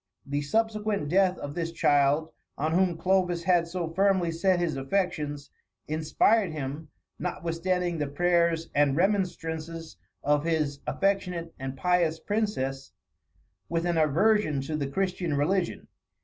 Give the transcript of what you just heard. The subsequent death of this child, on whom Clovis had so firmly set his affections, inspired him, notwithstanding the prayers and remonstrances of his affectionate and pious princess, with an aversion to the Christian religion.